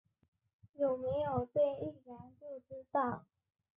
有没有电一量就知道